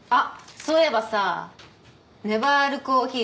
そういえばさねばーるコーヒー